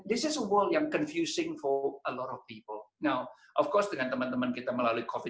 dan ini adalah dunia yang mengganggu banyak orang sekarang tentu dengan teman teman kita melalui covid sembilan belas